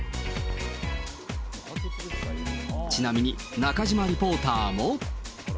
ちなみに中島リポーターも。